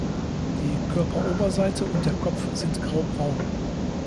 Die Körperoberseite und der Kopf sind graubraun.